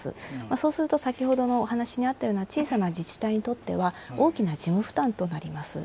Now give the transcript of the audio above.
そうすると、先ほどのお話にあったような小さな自治体にとっては大きな事務負担となります。